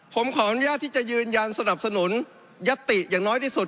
ผมขออนุญาตที่จะยืนยันสนับสนุนยัตติอย่างน้อยที่สุด